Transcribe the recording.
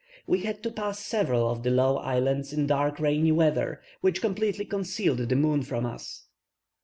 We had to pass several of the low islands in dark rainy weather, which completely concealed the moon from us.